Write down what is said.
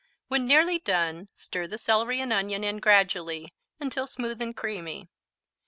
When nearly done stir the celery and onion in gradually, until smooth and creamy.